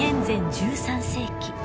１３世紀